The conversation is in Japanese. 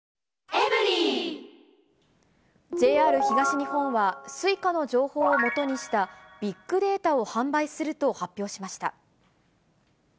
ＪＲ東日本は、Ｓｕｉｃａの情報を基にしたビッグデータを販売すると発表しました。